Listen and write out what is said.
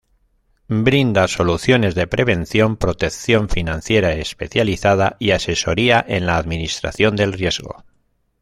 Brinda soluciones de prevención, protección financiera especializada y asesoría en la administración del riesgo.